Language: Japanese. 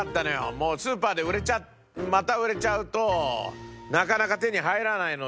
もうスーパーで売れちゃうまた売れちゃうとなかなか手に入らないので。